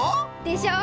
でしょ。